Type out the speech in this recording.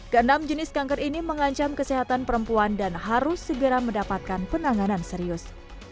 keenam jenis kanker ini mengancam kesehatan perempuan dan harus segera mendapatkan penanganan serius